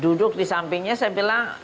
duduk disampingnya saya bilang